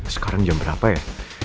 sekarang jam berapa ya